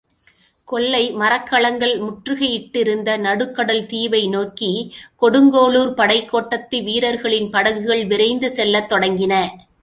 கொள்ளை மரக்கலங்கள் முற்றுகை யிட்டிருந்த நடுக்கடல் தீவை நோக்கி கொடுங்கோளூர்ப் படைக்கோட்டத்து வீரர்களின் படகுகள் விரைந்து செல்லத் தொடங்கின.